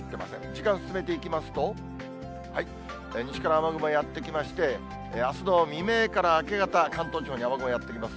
時間進めていきますと、西から雨雲やって来まして、あすの未明から明け方、関東地方に雨雲やって来ます。